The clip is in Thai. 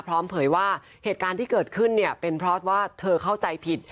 เผยว่าเหตุการณ์ที่เกิดขึ้นเนี่ยเป็นเพราะว่าเธอเข้าใจผิด